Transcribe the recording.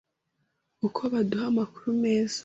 uko baduha amakuru meza